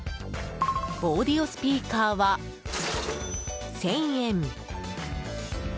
オーディオスピーカーは１０００円。